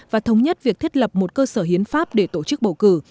và thống nhất việc thiết lập một cơ sở hiến pháp để tổ chức bầu cử